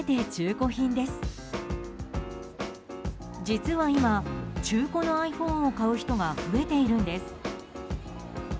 実は今中古のｉＰｈｏｎｅを買う人が増えているんです。